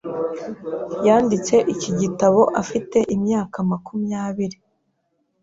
Yanditse iki gitabo afite imyaka makumyabiri.